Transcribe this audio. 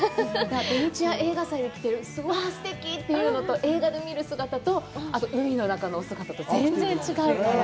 土日は映画祭を見て、すてき！という姿と映画で見る姿とあと、海の中のお姿と全然違うから。